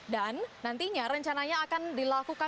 dan nantinya rencananya akan dilakukan